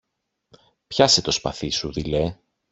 Πιάσε το σπαθί σου, δειλέ!